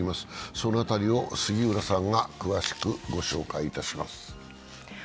その辺りを杉浦さんが詳しくご紹介します。